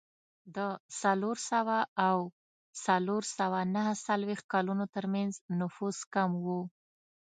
د څلور سوه او څلور سوه نهه څلوېښت کلونو ترمنځ نفوس کم و.